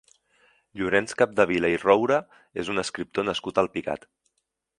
Llorenç Capdevila i Roure és un escriptor nascut a Alpicat.